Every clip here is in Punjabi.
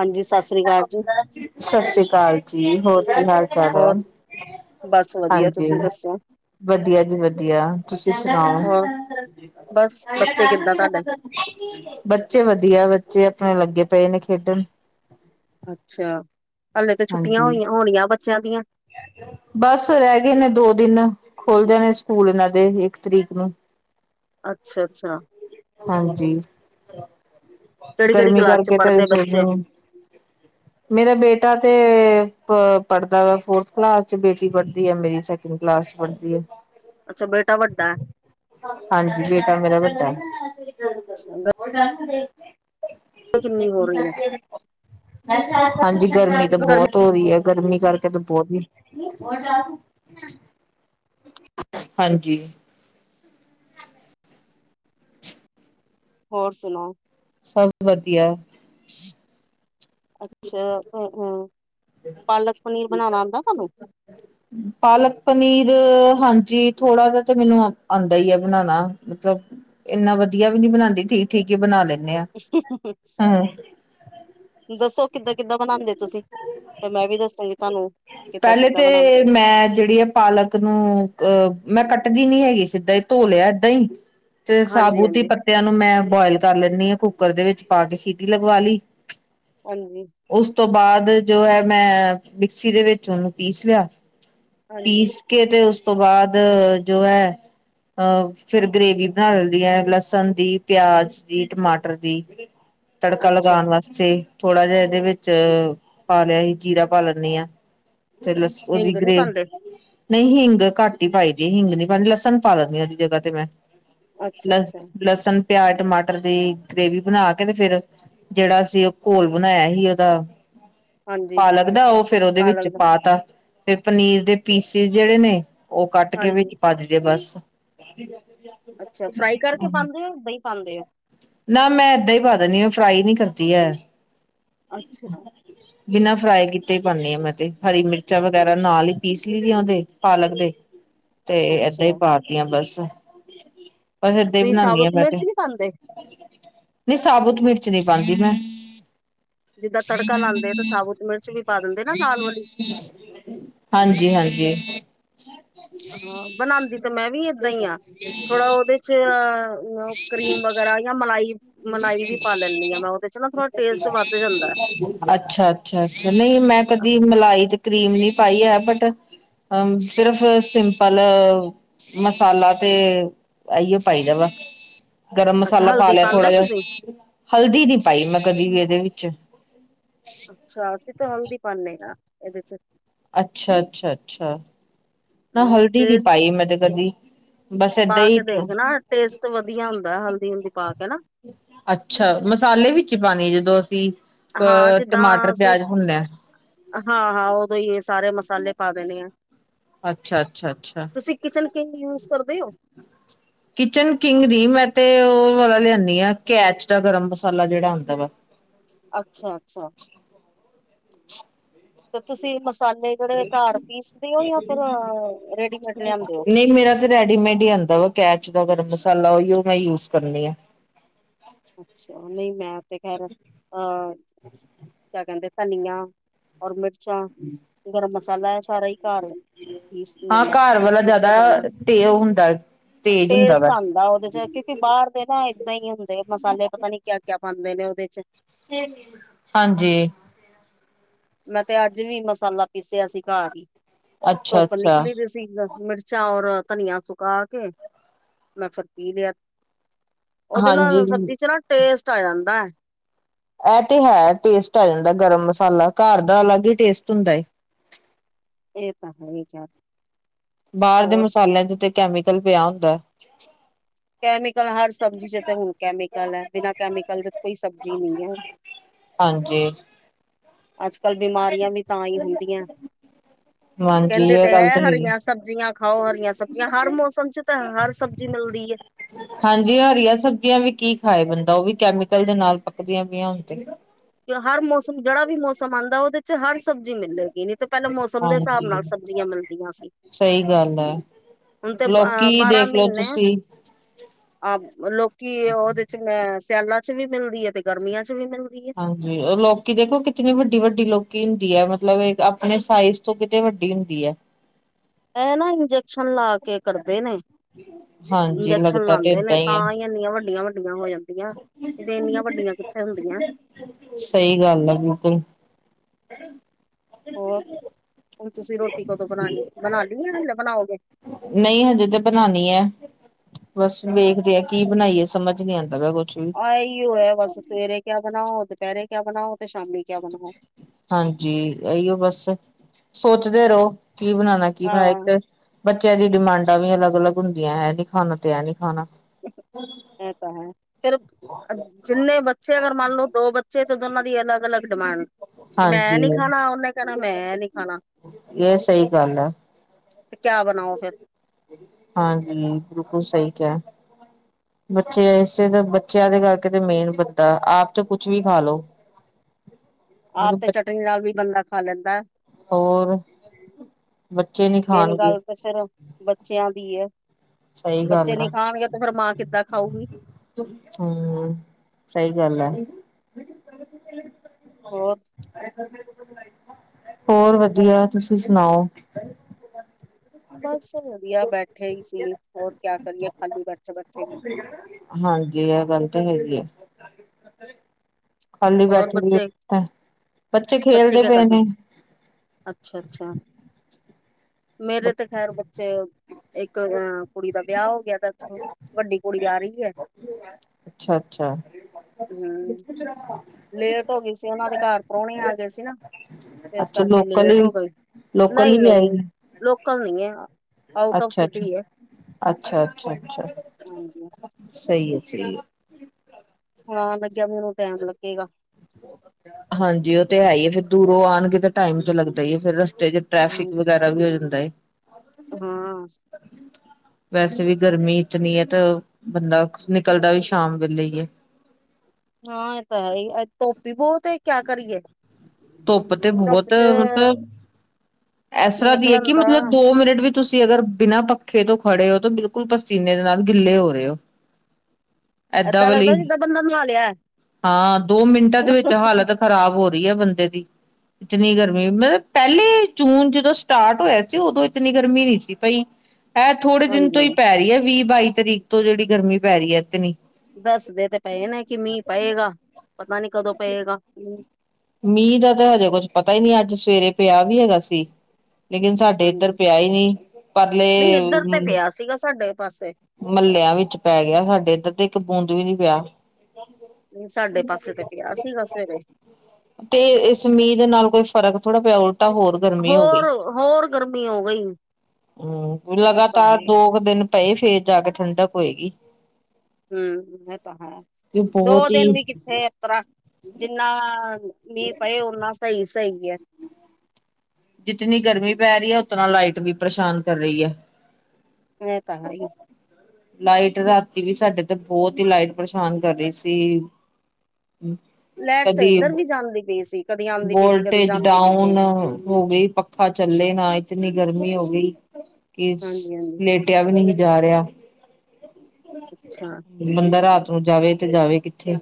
ਹਾਂਜੀ, ਸਤਿ ਸ੍ਰੀ ਅਕਾਲ ਜੀ। ਸਤਿ ਸ੍ਰੀ ਅਕਾਲ ਜੀ, ਹੋਰ ਕੀ ਹਾਲ -ਚਾਲ ਹੈ। ਹੋਰ ਬਸ ਵਧੀਆ ਹਾਂਜੀ, ਤੁਸੀਂ ਦੱਸੋ ਵਧੀਆ ਜੀ, ਵਧੀਆ ਤੁਸੀਂ ਸੁਣਾਓ। ਹੋਰ ਬਸ ਬੱਚੇ ਕਿੱਦਾਂ ਤੁਹਾਡੇ [unintelligible] ਬੱਚੇ ਵਧੀਆ, ਬੱਚੇ ਆਪਣੇ ਲੱਗੇ ਪਏ ਨੇ ਖੇਡਣ। ਅੱਛਾ, ਹਲੇੇ ਤੇ ਛੁੱਟੀਆਂ ਹਾਂਜੀ। ਹੋਈ ਹੋਣੀਆਂ, ਬੱਚਿਆਂ ਦੀਆਂ ਬਸ, ਰਹਿ ਗਏ ਨੇ ਦੋ ਦਿਨ, ਖੋਲ ਜਾਣੇ ਸਕੂਲ ਇਹਨਾਂ ਦੇ, ਇੱਕ ਤਰੀਕ ਨੂੰ। ਅੱਛਾ- ਅੱਛਾ। ਹਾਂਜੀ, ਕਿਹੜੀ ਕਿਹੜੀ ਗਰਮੀ ਕਲਾਸ ਚ ਕਰਕੇ, ਤੇ ਪੜ੍ਹਦੇ ਸੋਚ ਬੱਚੇ [unintelligible] ਮੇਰਾ ਬੇਟਾ ਤੇ ਪੜ੍ਹਦਾ ਵਾ, ਫੋਰਥ ਕਲਾਸ, ਚ ਬੇਟੀ ਪੜ੍ਹਦੀ ਹੈ। ਮੇਰੀ ਸੇ ਸੈਕੰਡ ਕਲਾਸ ਚ ਪੜ੍ਹਦੀ ਹੈ। ਅੱਛਾ ਬੇਟਾ ਵੱਡਾ ਹੈ ਹਾਂਜੀ, ਬੇਟਾ ਮੇਰਾ ਵੱਡਾ। ਅੱਛਾ, [unintelligible] ਗਰਮੀ ਕਿੰਨੀ ਹੋ ਰਹੀ ਹੈ ਹਾਂਜੀ, ਗਰਮੀ ਤਾਂ ਬਹੁਤ ਹੋ ਰਈ ਹੈ, ਗਰਮੀ ਕਰਕੇ ਬਹੁਤ। ਹਾਂਜੀ। ਹੋਰ, ਸੁਣਾਓ ਸਭ ਵਧੀਆ। ਅੱਛਾ ਅ ਅ, ਪਾਲਕ ਪਨੀਰ ਬਣਾਨਾ ਆਉਦਾ ਤੁਹਾਨੂੰ ਪਾਲਕ ਪਨੀਰ, ਹਾਂਜੀ ਥੋੜਾ ਜ ਤੇ ਮੈਨੂੰ ਆਉਂਦਾ ਹੈ। ਬਣਾਉਣਾ ਮਤਲਬ ਇੰਨਾ ਵਧੀਆ, ਵੀ ਨੀ ਬਣਾਉਂਦੀ ਠੀਕ- ਠੀਕ ਹੀ ਬਣਾ ਲੈਂਦੇ ਆ, ਹਮ ਦੱਸੋ, ਕਿੱਦਾਂ- ਕਿੱਦਾਂ ਬਨਾਉਂਦੇ। ਤੁਸੀਂ ਫੇਰ ਮੈਂ ਵੀ, ਦੱਸਾਂਗੀ ਤੁਹਾਨੂੰ ਕਿੱਦਾਂ- ਪਹਿਲੇ ਕਿੱਦਾਂ ਬ ਤੇ, ਮੈਂ ਜਿਹੇੜੀ ਪਾਲਕ ਨੂੰ ਅ ਮੈਂ ਕੱਟਦੀ ਨੀ ਹੈਗੀ ਸਿੱਧਾਂ ਹੀ ਧੋ ਲਿਆ। ਏਦਾਂ ਹੀ ਤੇ ਹਾਂਜੀ ਸਾਬੂਦ ਹੀ ਹਾਂਜੀ ਪ ਤੇਆ ਨੂੰ, ਮੈਂ ਬੋਇਲ ਕੱਰ ਲੈਣੀ ਕੁੱਕਰ ਦੇ ਵਿੱਚ ਪਾ ਕੇ ਸੀਟੀ ਲਗਵਾ ਲੀ। ਹਾਂਜੀ। ਉਸ ਤੋਂ ਬਾਦ ਜੋ ਹੈ ਮੈ, ਮਿਕਸੀ ਦੇ ਵੇਚ ਓਨੂੰ, ਪੀਸ ਲੇਆ। ਹਾਂਜੀ ਪੀਸ ਕੇ ਤੇ ਉਸ, ਤੋਂ ਬਾਅਦ ਜੋ ਹੈ। ਅ ਫਿਰ ਗ੍ਰੇਵੀ ਬਣਾ ਲੈਂਦੀ ਐ ਲਸਣ ਦੀ, ਪੇਆਜ ਦੀ, ਟਮਾਟਰ ਦੀ ਤੜਕਾ ਅੱਛਾ ਲਗਾਣ ਵਾਸਤੇ, ਥੋੜਾ ਜੇਆ ਏਦੇ ਵੇਚ, ਪਾਲੇਆ ਈ ਜੀਰਾ, ਪਾ ਲੈਈ ਆਂ। ਚਲਸਕੋ ਦੀ ਹਿੰਗ ਨੀ ਗਰੇ ਪਾਉਂਦੇ ਨਈ ਹਿੰਗ ਘੱਟ ਈ ਪਾਈ ਦੀ, ਹਿੰਗ ਨੀ ਪਾਦੀ ਲਸਣ ਪਾ ਲਣੀ ਏਦੀ ਜਗਾ ਤੇ ਮੈ ਅੱਛਾ ਲ, ਅੱਛਾ ਲਸਣ ਪੇਆਜ, ਟਮਾਟਰ ਦੀ ਗ੍ਰੇਵੀ ਬਣਾ ਕੇ ਤੇ ਫੇਰ, ਜੇਹੜਾ ਅਸੀ। ਓ ਘੋਲ ਬਣਾਆ ਸੀ। ਓਦਾ, ਹਾਂਜੀ ਪਾਲਕ ਦਾ ਓ ਫੇਰ ਓਦੇ ਵਿੱਚ ਪਾਲਕ ਦਾ ਪਾਤਾ। ਫੇਰ ਪਨੀਰ ਦੇ ਪੀਸਿਸ ਜੇੜੇ ਨੇ, ਓ, ਕੱਟ ਕੇ ਹਾਂਜੀ ਵਿੱਚ ਪਾ ਦਿਦੇ। ਬੱਸ, ਅੱਛਾ, ਫਰਾਈ ਕਰਕੇ ਪਾਦੇ ਓ, ਏਦਾ ਪਾਦੇ ਓ। ਨਾ ਮੈਂ, ਏਦਾਂ ਈ ਪਾ ਦਿੰਦੀ, ਫਰਾਈ ਨੀ ਕਰਦੀ ੲੈ। ਅੱਛਾ [unintelligible] ਬਿਨਾਂ ਫਰਾਈ ਕੀਤੇ ਪਾਉਣੀ ਆ ਮੈਂ ਤੇ, ਹਰੀ ਮਿਰਚਾਂ ਵਗੈਰਾ ਨਾਲ ਈ ਪੀਸ ਲਈਦੀ ਓਦੇ, ਪਾਲਕ ਦੇ [inaudible] ਤੇ, ਏਦਾ ਈ ਅੱਛਾ ਪਾਤੀਆ। ਬੱਸ ਬਸ, ਏਦਾ ਈ ਤੁਸੀਂ ਬਣਾਈ ਆਂ ਸਾਬੁਤ ਮੈਂ ਤੇ, ਮਿਰਚ ਨੀ ਪਾਉਂਦੇ ਨਈ ਸਾਬਤ ਮਿਰਚ ਨੀ ਪਾਦੀ। ਮੈ ਜਿੱਦਾਂ ਤੜਕਾ ਲਾਉਂਦੇ ਆ ਤਾਂ ਸਾਬੁਤ ਮਿਰਚ ਵੀ ਪਾ ਦਿੰਦੇ ਨਾ ਲਾਲ ਵਾਲੀ [unintelligible] ਹਾਂਜੀ-ਹਾਂਜੀ। ਹਾਂ, ਬਣਾਦੀ ਤੇ ਮੈਂ ਵੀ ਏਦਾਂ ਈ ਆ ਥੋੜਾ ਓਦੇ ਚ ਅ, ਕਰੀਮ ਵਗੈਰਾ ਯਾ ਮਲਾਈ ਮਲਾਈ ਵੀ-ਵੀਪਾਲੈਂਣੀ ਆ ਮੈਂ ਓਦੇ ਚੋ ਨਾ ਥੋੜਾ ਟੇਸਟ ਵੱਧ ਜਾਂਦਾ ਹੈ। ਅੱਛਾ-ਅੱਛਾ ਅ ਨਈ ਮੈਂ ਕਦੀ ਅਹ, ਮਲਾਈ ਚ ਕਰੀਮ ਨੀ ਪਾਈ ੲੈ ਬਟ, ਅ, ਸਿਰਫ ਸਿੰਪਲ ਅ ਮਸਾਲਾ ਤੇ, ੲੈਈਓ ਪਾਈ ਦਾ ਵਾ ਗਰਮ ਅੱਛਾ ਮਸਾਲਾ ਪਾ ਹਲਦੀ ਲੇਆ ਥੋੜਾ ਪਾਉਂਦੇ ਜਾ, ਤੁਸੀਂ ਹਲਦੀ ਨੀ ਪਾਈ ਮੈਂ ਕਦੀ ਵੀ ਏਦੇ ਵਿੱਚ। ਅੱਛਾ, ਅਸੀ ਤੋਂ ਹਲਦੀ ਪਾਣੇ ਆ ਏਦੇ ਚ ਅੱਛਾ, ਅੱਛਾ, ਅੱਛਾ, ਨਾ ਹਮ ਹਲਦੀ ਨੀ ਟੇਸਟ ਪਾਈ ਮੈ ਤੇ ਕਦੀ। ਬਸ ਏਦਾਂ ਪਾ ਹੀ ਕੇ ਵੇਖ, ਨਾ ਟੇਸਟ ਵਧੀਆ ਹੁੰਦਾ ਹਲਦੀ ਹੁਲਦੀ ਪਾ ਕੇ ਨਾ। ਅੱਛਾ, ਮਸਾਲੇ ਵਿੱਚ ਈ ਪਾਣੀ ਜਦੋਂ ਅਸੀਂ, ਅ, ਟਮਾਟਰ, ਪੇਆਜ ਭੁੰਨਣ ਆ। ਹਾਂ-ਹਾਂ ਓਦੋ ਈ ਏ ਸਾਰੇ ਮਸਾਲੇ ਪਾ ਦੇਣੇ ਆ। ਅੱਛਾ ਅੱਛਾ ਅੱਛਾ ਤੁਸੀਂ ਕਿਚਨ ਕਿੰਗ ਯੂਸ ਕਰਦੇ ਅੋ ਕਿਚਨ ਕਿੰਗ ਦੀ ਮੈਂ ਤੇ ਓ ਵਾਲਾ ਲਆਣੀ ਆਂ ਕੈਚ ਦਾ ਗਰਮ ਮਸਾਲਾ ਜੇੜਾ ਆਦਾ ਵਾ ਅੱਛਾ-ਅੱਛਾ। ਤੇ ਤੁਸੀਂ ਮਸਾਲੇ ਜੇੜੇ ਘੱਰ ਪੀਸਦੇ ਓ ਯਾ ਫੇਰ ਰੇਡੀਮੇਡ ਲੇਆਦੇ ਓ। ਨਹੀਂ ਮੇਰਾ ਰੈਡੀਮੇਡ ਈ ਆਦਾ ਵ ਕੈਚ ਦਾ ਗਰਮ ਮਸਾਲਾ ਓਈ ਓ ਮੈਂ ਯੂਜ ਕਰਨੀ ਆ। ਅੱਛਾ, ਨਈ ਮੈਂ ਤੇ ਖੈਰ, ਅ [unintelligible] ਕੈਦੇ ਧਨੀਆ, ਔਰ ਮਿਰਚਾਂ ਹਮ [unintelligible] ਗਰਮ ਮਸਾਲਾ ਸਾਰਾ ਈ ਘੱਰਐ ਪਿਸਦੀਆ ਹਾਂ ਮੈ, ਘਰ ਵਾਲਾ ਮਿਕਸਰ ਜਿਆਦਾ ਗ੍ਰੇਡਰ, ਤੇ ਉਹ ਹੁੰਦਾ ਤੇਜ਼ ਹੁੰਦਾ ਟੇਸਟ ਵਾ ਆਦਾ ਓਦੇ ਚ ਕਿ ਬਾਰ ਦੇ ਨਾ ਏਦਾ ਈ ਹੁੰਦੇ, ਮਸਾਲੇ ਪਤਾ ਨੀ ਕਿਆ-ਕਿਆ ਪਾਦੇ ਨੇ ਓਦੇ ਚ ਹਾਂਜੀ। ਮੈਂ ਤੇ ਅੱਜ ਵੀ ਮਸਾਲਾ ਪੀਸਿਆ ਸੀ ਘਰ ਹੀ, ਧੁੱਪ ਅੱਛਾ-ਅੱਛਾ ਨਿਕਲੀ ਦੀ ਸੀ ਮਿਰਚਾਂ ਔਰ ਧਨੀਆ ਸੁਕਾ ਕੇ ਮੈਂ ਫਿਰ ਪੀ ਲਿਆ, ਉਹਦੇ ਹਾਂਜੀ। ਨਾਲ ਸਬਜ਼ੀ ਚ ਨਾ ਟੇਸਟ ਆ ਜਾਂਦਾ ਇਹ ਤੇ ਹੈ ਟੇਸਟ ਆ ਜਾਂਦਾ, ਗਰਮ ਮਸਾਲਾ ਘਰ ਦਾ ਅਲੱਗ ਹੀ ਟੇਸਟ ਹੁੰਦਾ ਹੈ ਇਹ ਤਾਂ ਹੈ ਵਿਚਾਰ ਬਾਹਰ ਦੇ ਮਸਾਲਿਆਂ ਦੇ ਉੱਤੇ ਕੈਮੀਕਲ ਪੇਆ ਹੁੰਦਾ ਕੈਮੀਕਲ ਹਰ ਸਬਜ਼ੀ ਚ ਤੇ ਹੁਣ ਕੈਮੀਕਲ ਹੈ, ਬਿਨਾਂ ਕੈਮੀਕਲ ਦੇ ਤਾਂ ਕੋਈ ਸਬਜ਼ੀ ਨਹੀਂ ਹੈ ਹਾਂਜੀ-ਹਾਂਜੀ ਅੱਜ ਕੱਲ ਬਿਮਾਰੀਆਂ ਵੀ ਤਾਂ ਹੀ ਹੁੰਦੀਐ ਹਾਂ ਕਹਿੰਦੇ ਤੇ ਹੈ ਹਰੀਆਂ ਸਬਜ਼ੀਆਂ ਖਾਓ ਹਰੀਆਂ ਸਬਜ਼ੀਆਂ, ਹਰ ਮੌਸਮ ਚ ਤਾਂ ਹਰ ਸਬਜ਼ੀ ਮਿਲਦੀ ਹੈ ਹਾਂਜੀ ਹਰੀਆ ਸਬਜ਼ੀਆਂ ਵੀ ਕੀ ਖਾਏ ਬੰਦਾ ਉਹ ਵੀ ਕੈਮੀਕਲ ਦੇ ਨਾਲ ਪੱਕਦੀਆਂ ਪਈਆਂ ਹੁਣ ਤੇ ਹਰ ਮੌਸਮ ਜਿਹੜਾ ਵੀ ਮੌਸਮ ਆਉਂਦਾ ਉਹਦੇ ਹਰ ਸਬਜ਼ੀ ਮਿਲੇਗੀ, ਨਹੀਂ ਤੇ ਪਹਿਲਾਂ ਮੌਸਮ ਦੇ ਹਿਸਾਬ ਨਾਲ ਹਾਂਜੀ ਸਬਜ਼ੀਆਂ ਮਿਲਦੀਆਂ ਸੀ ਸਹੀ ਗੱਲ ਹੈ ਹੁਣ ਤੇ ਲੋਕੀ ਬਾਰਾਹ ਦੇਖਲੋ ਮਹੀਨੇ ਤੁਸੀਂ ਅ ਲੋਕੀ ਉਹਦੇ ਚ ਸਿਆਲਾਂ ਚ ਵੀ ਮਿਲਦੀ ਹੈ, ਤੇ ਗਰਮੀਆਂ ਚ ਵੀ ਮਿਲਦੀ ਹੈ ਲੋਕੀ ਦੇਖੋ ਕਿਤਨੀ ਵੱਡੀ ਵੱਡੀ ਲੋਕੀ ਹੁੰਦੀ ਹੈ, ਮਤਲਬ ਆਪਣੇ ਸਾਈਜ਼ ਤੋਂ ਕਿਤੇ ਵੱਡੀ ਹੁੰਦੀ ਹੈ ਇਹ ਨਾ ਇੰਜੈਕਸ਼ਨ ਲਾ ਕੇ ਕਰਦੇ ਨੇ [inaudible] ਇੰਜੈਕਸ਼ਨ ਲੱਗਦਾ ਤੇ ਲਾਦੇ ਨੇ ਏਦਾਂ ਤਾਂ ਹੀ ਹੈ ਇੰਨੀਆਂ ਵੱਡੀਆਂ ਵੱਡੀਆਂ ਹੋ ਜਾਂਦੀਆਂ ਨਈ ਤੇ ਇੰਨੀਆਂ ਵੱਡੀਆਂ ਕਿੱਥੇ ਹੁੰਦੀਆਂ ਸਹੀ ਗੱਲ ਆ ਬਿਲਕੁਲ ਹੋਰ, ਹੁਣ ਤੁਸੀਂ ਰੋਟੀ ਕਦੋਂ ਬਣਾਉਣੀ ਬਣਾ ਲਈ ਆ ਯਾ ਹਾਲੇ ਬਣਾਓਗੇ ਨਹੀਂ ਹਜੇ ਤੇ ਬਣਾਉਾਨੀ ਹੈ, ਬਸ ਵੇਖਦੇ ਆ ਕੀ ਬਣਾਈਏ ਸਮਝ ਸਮਝ ਨਹੀਂ ਆਂਦਾ ਪਯਾ ਕੁਛ ਵੀ ਆ ਏ ਹੀਓ ਹੈ ਬਸ, ਸਵੇਰੇ ਕਿਆ ਬਣਾਓ, ਦੁਪਹਿਰੇ ਕਿਆ ਬਣਾਓ ਤੇ ਸ਼ਾਮੀ ਕਿਆ ਬਣਾਓ ਹਾਂਜੀ ਇਹੀਓ ਬਸ ਸੋਚਦੇ ਰਹੋ, ਕੀ ਬਣਾਣਾ ਕੀ ਬਣਾਣਾ ਹਾਂ ਇੱਕ ਬੱਚਿਆਂ ਦੀ ਡਿਮਾਂਡਾਂ ਵੀ ਅਲੱਗ ਅਲੱਗ ਹੁੰਦੀਆਂ, ਏਹ ਨੀ ਖਾਣਾ ਤੇ ਏਹ ਨੀ ਖਾਣਾ ਐ ਤਾਂ ਹੈ ਫਿਰ ਜਿੰਨੇ ਬੱਚੇ, ਅਗਰ ਮੰਨ ਲਓ ਦੋ ਬੱਚੇ ਤੇ ਦੋਨਾਂ ਦੀ ਅਲੱਗ ਅਲੱਗ ਡਿਮਾਂਡ ਮੈਂ ਏ ਹਾਂਜੀ ਨੀ ਖਾਣਾ, ਉਹਨੇ ਕਹਿਣਾ ਮੈਂ ਏ ਨੀ ਖਾਣਾ ਇਹ ਸਹੀ ਗੱਲ ਐ ਤੇ ਕਿਆ ਬਣਾਓ ਫਿਰ ਹਾਂਜੀ ਬਿਲਕੁਲ ਸਹੀ ਕੇਹਾ ਹੈ ਬੱਚੇ ਇਸੇ ਤਾਂ ਬੱਚਿਆਂ ਦੇ ਕਰਕੇ ਤੇ ਮੇਨ ਬੱਣਦਾ, ਆਪ ਤੇ ਕੁਛ ਵੀ ਖਾ ਲੋੋ ਆਪ ਤੇ ਚਟਨੀ ਨਾਲ ਵੀ ਬੰਦਾ ਖਾ ਲੈਂਦਾ ਹੋਰ ਬੱਚੇ ਨਹੀਂ ਮੇਨ ਖਾਣਗੇ ਗੱਲ ਤੇ ਫੇਰ ਬੱਚਿਆਂ ਦੀ ਹੈ, ਸਹੀ ਬੱਚੇ ਗੱਲ ਨੀ ਆ ਖਾਣਗੇ ਤੇ ਫੇਰ ਮਾਂ ਕਿੱਦਾਂ ਖਾਊਗੀ ਹੂ ਸਹੀ ਗੱਲ ਐ ਹੋਰ ਹੋਰ ਵਧੀਆ ਤੁਸੀਂ ਸੁਣਾਓ ਬਸ ਵਧੀਆ ਬੈਠੇ ਹੀ ਸੀ, ਹੋਰ ਕਿਆ ਕਰੀਏ ਖਾਲੀ ਬੈਠੇ ਬੈਠੇ ਵੀ ਹਾਂਜੀ ਇਹ ਗੱਲ ਤਾਂ ਹੈਗੀ ਆ ਖਾਲੀ ਹੋਰ ਬੈਠੇ ਵੀ ਏ ਬੱਚੇ ਕੀਤਾ, ਬੱਚੇ ਖੇਲਦੇ ਕਿਆ ਪਏ ਨੇ ਕਰਦੇ ਅੱਛਾ ਅੱਛਾ ਮੇਰੇ ਤੇ ਖ਼ੈਰ ਬੱਚੇ ਇੱਕ ਅ ਕੁੜੀ ਦਾ ਵਿਆਹ ਹੋ ਗਿਆ ਤਾਂ ਇੱਥੋਂ ਵੱਡੀ ਕੁੜੀ ਆ ਰਹੀ ਐ। ਅੱਛਾ-ਅੱਛਾ। ਹੂਂ। ਲੇਟ ਹੋ ਗੀ ਸੀ, ਉੱਨਾਂ ਦੇ ਘਰ ਪ੍ਰੋਹੁਣੇ ਆ ਗਏ ਸੀ ਨਾ। ਇਸ ਅੱਛਾ ਕਰਕੇ ਲੋਕਲ ਲੇਟ ਹੋ ਹੀ ਗਈ, ਲੋਕਲ ਹੀ ਨਈ-ਨਈ ਲੋਕਲ ਨੀ ਐ। ਅੱਛਾ-ਅੱਛਾ, ਅੱਛਾ-ਅੱਛਾ-ਅੱਛਾ ਹਾਂਜੀ ਸਈ ਹੈ ਸਈ ਐ। ਹਾਂ ਲੱਗਿਆ ਮੈਨੂੰ ਟੈਮ ਲੱਗੇਗਾ। ਹਾਂਜੀ ਓ ਤੇ ਹੈ ਈਏ ਫੇਰ ਦੂਰੋਂ ਆਣਗੇ ਤੇ ਟਾਈਮ ਤੇ ਲੱਗਦਾ ਈ ਏ ਫੇਰ ਰਸਤੇ ਚ। ਟ੍ਰੈਫਿਕ ਹਾਂ ਵਗੈਰਾ ਵੀ ਹੋ ਜਾਂਦਾ ਏ। ਹਾਂ। ਵੈਸੇ ਵੀ ਗਰਮੀ ਇਤਨੀ ਐ ਤਾਂ ਬੰਦਾ ਨਿਕਲਦਾ ਵੀ ਸ਼ਾਮ ਵੇਲੇ ਈ ਐ। ਹਾਂ ਏਹ ਤਾਂ ਹੈਈ ਧੋਪੱ ਈ ਬਹੁਤ ਏ ਕਆ ਕਰੀਏ। ਧੁੱਪ ਤੇ ਧੁੱਪ ਬਹੁਤ ਚ ਮਤਲਬ, ਐਸ ਤਰ੍ਹਾਂ ਦੀ ਏ ਨਿਕਲਣ ਕਿ ਦਾ ਮਤਲਬ ਦੋ ਮਿੰਟ ਵਿੱਚ ਤੁਸੀਂ ਅਗਰ ਬਿਨਾਂ ਪੱਖੇ ਤੋਂ ਖੜੇ ਓ ਤੋ ਬਿਲਕੁਲ ਪਸੀਨੇ ਦੇ ਨਾਲ ਗਿੱਲੇ ਹੋ ਰੇ ਓ। ਏਦਾਂ ਵਲੀ, ਲੱਗਦਾ ਜਿੱਦਾਂ ਬੰਦਾ ਨਹਾ ਲਿਆ ਹੈ। ਹਾਂ ਦੋ ਮਿੰਟਾਂ ਦੇ ਵਿੱਚ ਹਾਲਤ ਖ਼ਰਾਬ ਹੋ ਰਈ ਐ ਬੰਦੇ ਦੀ। ਇਤਨੀ ਗਰਮੀ ਮਤਲਬ ਪੈਹਲੇ ਜੂਨ ਜਦੋਂ ਸਟਾਰਟ ਹੋਇਆ ਸੀ ਉਦੋਂ ਇਤਨੀ ਗਰਮੀ ਨਹੀਂ ਸੀ ਪਈ। ਐ ਥੋੜੇ ਦਿਨ ਤੋਂ ਹਾਂਜੀ ਈ ਹਾਂਜੀ ਪੈ ਰੀ ਐ ਵੀਹ-ਬਾਈ ਤਰੀਕ ਤੋਂ ਜੇਹੜੀ ਗਰਮੀ ਪੈ ਰਈ ਐ ਇਤਨਾ। ਦੱਸਦੇ ਤੇ ਪਏ ਨੇ ਕਿ ਮੀਂਹ ਪਏਗਾ, ਪਤਾ ਨੀ ਕਦੋਂ ਪਏਗਾ। ਮੀਂਹ ਦਾ ਤਾਂ ਹਜੇ ਕੁਛ ਪਤਾ ਈ ਨੀ ਅੱਜ ਸਵੇਰੇ ਪੇਆ ਵੀ ਹੈਗਾ ਸੀ। ਲੇਕਿਨ ਸਾਡੇ ਇੱਧਰ ਹਾਂਜੀ ਪੇਆ ਈ ਨੀ, ਪਰਲੇ ਨਹੀਂ ਇੱਧਰ ਤੇ ਪਿਆ ਸੀਗਾ ਸਾਡੇ ਪਾਸੇ। ਮੱਲੇਆਂ ਵਿੱਚ ਪੈ ਗੇਆ ਸਾਡੇ ਇੱਧਰ ਤੇ ਇੱਕ ਬੂੰਦ ਵੀ ਨੀ ਪੇਆ। ਨੀ ਸਾਡੇ ਪਾਸੇ ਤੇ ਪੇਆ ਸੀਗਾ ਸਵੇਰੇ। ਤੇ ਇਸ ਮੀਂਅ ਦੇ ਨਾਲ ਕੋਈ ਫਰਕ ਥੋੜਾ ਪੇਆ ਉਲਟਾ ਹੋਰ ਗਰਮੀ ਹੋ ਗਈ, ਹੋਰ ਹੋਰ ਗਰਮੀ ਹੋ ਗਈ ਹੂਂ ਇਹ ਤਾਂ ਹੈ ਲਗਾਤਾਰ ਦੋ ਕ ਦਿਨ ਪਏ ਫੇਰ ਜਾ ਕੇ ਠੰਡਕ ਹੋਏਗੀ। ਹੂਂ ਇਹ ਤਾਂ ਹੈ, ਕਿ ਦੋ ਬਹੁਤ ਹੀ ਦਿਨ ਵੀ ਕਿੱਥੇ ਇਸ ਤਰਾ, ਜਿੰਨਾ ਮੀਅ ਪਾਏ ਓਨਾੱ ਸਹੀ-ਸਹੀ ਐ। ਜਿਤਨੀ ਗਰਮੀ ਪੈ ਰੀ ਐ, ਉਤਨਾ ਲਾਈਟ ਵੀ ਪਰੇਸ਼ਾਨ ਕਰ ਰਈ ਐ। ਏ ਤਾ ਹੈਈ। ਲਾਈਟ ਰਾਤੀ ਵੀ ਸਾਡੇ ਤੇ ਬਹੁਤ ਈ ਲਾਈਟ ਪਰੇਸ਼ਾਨ ਕਰ ਰਈ ਸੀ। ਲੈਟ ਤਾਂ ਕਦੀ, ਇੱਧਰ ਵੀ ਜਾਂਦੀ ਪਈ ਸੀ ਕਦੀ ਆਉਂਦੀ ਪਈ ਸੀ ਕਦੀ ਵੋਲਟੇਜ ਜਾਂਦੀ ਪਈ ਸੀ ਡਾਊਨ ਹੋ ਗਈ, ਪੱਖਾ ਚੱਲੇ ਨਾ ਇਤਨੀ ਗਰਮੀ ਹੋ ਗਈ ਕਿ ਸ ਹਾਂਜੀ ਹਾਂਜੀ ਲੇਟ ਟਿਆ ਵੀ ਨੀ ਜਾ ਰੇਆ। ਅੱਛਾ। ਬੰਦਾ ਰਾਤ ਨੂੰ ਜਾਵੇ ਤੇ ਜਾਵੇ ਕਿੱਥੇ।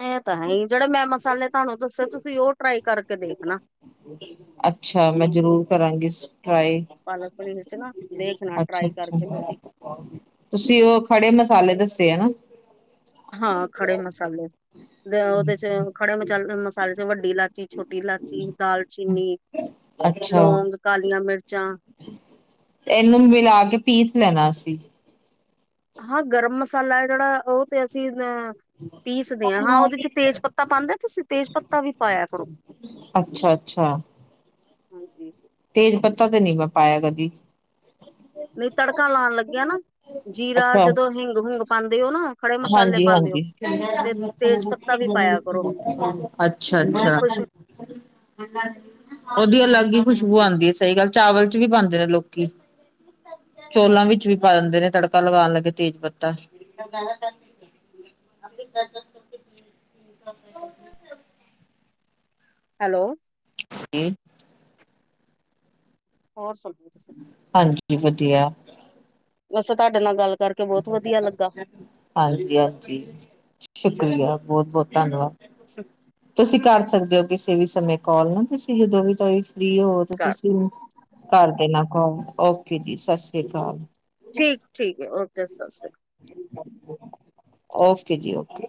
ਇਹ ਤਾਂ ਹੈਈ, ਜੇਹੜੇ ਮੈਂ ਮਸਾਲੇ ਤੁਹਾਨੂੰ ਦੱਸੇ ਤੁਸੀਂ ਓ ਟਰਾਈ ਕਰਕੇ ਦੇਖਣਾ। ਅੱਛਾ ਮੈਂ ਜਰੂਰ ਕਰਾਂਗੀ ਇਸ ਟਰਾਈ। ਪਾਲਕ-ਪਨੀਰ ਚ ਨਾ ਦੇਖਣਾ ਟਰਾਈ ਕਰਕੇ ਅੱਛਾ-ਅੱਛਾ ਤੁਸੀਂ ਤੁਸੀਂ ਓਹ ਖੜੇ ਮਸਾਲੇ ਦੱਸੇ ਐ ਨਾ। ਹਾਂ ਖੜੇ ਮਸਾਲੇ, ਦੇ ਉਹਦੇ ਚ ਖੜੇ ਮਚਾਲ ਮਸਾਲੇ ਚ ਵੱਡੀ ਇਲਾ ਚੀ, ਛੋਟੀ ਇਲਾਚੀ, ਦਾਲਚੀਨੀ, ਲੌਂਗ, ਕਾਲੀਆਂ ਮਿਰਚਾਂ ਐਨੂੰ ਮਿਲਾ ਕੇ ਪੀਸ ਲੈਣਾ ਅਸੀ। ਹਾਂ, ਗਰਮ ਮਸਾਲਾ ਏ ਜੇੜਾ ਓ ਤੇ ਅਸੀਂ ਅ ਪੀਸਦੇ ਆਂ ਹਾਂ, ਓਦੇ ਚ ਤੇਜ ਪੱਤਾ ਪਾਂਦੇ ਤੁਸੀ? ਤੇਜ ਪੱਤਾ ਵੀ ਪਾਇਆ ਕਰੋ। ਅੱਛਾ-ਅੱਛਾ। [unintelligible] ਤੇਜ ਪੱਤਾ ਤੇ ਨੀ ਮੈਂ ਪਾਯਾ ਕਦੀ। ਨਈਂ ਤੜਕਾ ਲਾਨ ਲੱਗੇਆ ਨਾ ਜੀਰਾ ਅੱਛਾ, ਜਦੋਂ ਹਿੰਗ-ਹੁੰਗ ਪਾਂਦੇ ਓ ਨਾ ਖੜੇ ਮਸਾਲੇ ਪਾਉਂਦੇ ਹੋ ਹਾਂਜੀ-ਹਾਂਜੀ ਤੇ ਤੇਜ ਪੱਤਾ ਵੀ ਪਾਇਆ ਕਰੋ [unintelligible] ਉਹਦੀ ਅੱਛਾ-ਅੱਛਾ। ਖੁਸ਼ [unintelligible] ਓਦੀ ਅਲੱਗ ਈ ਖੁਸ਼ਬੂ ਆਂਦੀ ਏ, ਸਹੀ ਗੱਲ ਚਾਵਲ ਚ ਵੀ ਪਾਂਦੇ ਨੇ ਲੋਕੀ। ਚੋਲਾਂ ਵਿੱਚ ਵੀ ਪਾ ਦਿੰਦੇ ਨੇ ਤੜਕਾ ਲਗਾਣ ਲੱਗੇ ਤੇਜ ਪੱਤਾ। [inaudible] ਹੈਲੋ। [unintelligible] ਹੋਰ ਸੁਨ ਹਾਂਜੀ, ਵਧੀਆ। ਵੈਸੇ ਤਾਡੇ ਨਾਲ ਗੱਲ ਕਰਕੇ ਬੋਤ ਵਧੀਆ ਲੱਗਾ। ਹਾਂਜੀ-ਹਾਂਜੀ ਸ਼ੁਕਰੀਆ, ਬੋਤ-ਬੋਤ ਧੰਨਵਾਦ। [inaudible] ਤੁਸੀਂ ਕਰ ਸਕਦੇ ਓ ਕਿਸੇ ਵੀ ਸਮੇਂ ਕਾਲ ਨਾ, ਤੁਸੀਂ ਜਦੋਂ ਵੀ ਥੋਡੇ ਫ੍ਰੀ ਹੋਵੋ ਜੋ ਤੁਸੀਂ ਕਰ ਦੇਨਾ ਕੌਲ ਓਕੇ ਜੀ, ਸਸ੍ਰੀ ਅਕਾਲ। ਠੀਕ-ਠੀਕ, ਓਕੇ ਸਸ੍ਰੀ ਕ ਓਕੇ ਜੀ, ਓਕੇ।